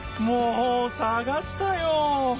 もうさがしたよ。